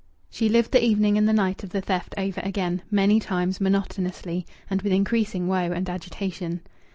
She lived the evening and the night of the theft over again, many times, monotonously, and with increasing woe and agitation.